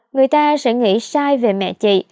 người ta sẽ nghĩ sai về mẹ chị